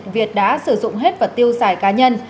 việt đã sử dụng hết và tiêu xài cá nhân